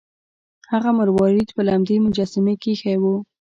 هغه مروارید په لمدې مجسمې کې ایښی و.